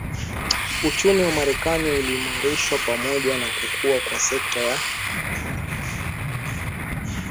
uchumi wa Marekani uliimarishwa pamoja na kukua kwa sekta ya